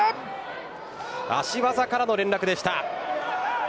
足技からの連絡でした。